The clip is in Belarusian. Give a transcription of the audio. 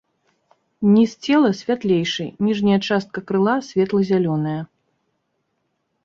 Ніз цела святлейшы, ніжняя частка крыла светла-зялёная.